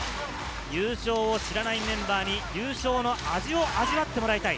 優勝を知らないメンバーに優勝の味を味わってもらいたい。